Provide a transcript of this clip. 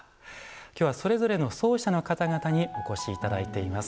今日はそれぞれの奏者の方々にお越し頂いています。